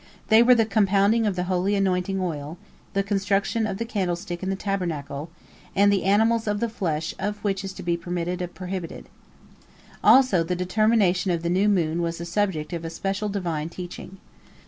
They were the compounding of the holy anointing oil, the construction of the candlestick in the Tabernacle, and the animals the flesh of which is permitted or prohibited. Also the determination of the new moon was the subject of special Divine teaching.